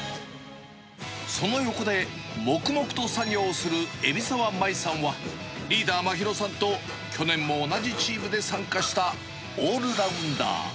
その横で黙々と作業する海老澤まいさんはリーダー、まひろさんと去年も同じチームで参加した、オールラウンダー。